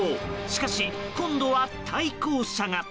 しかし今度は対向車が。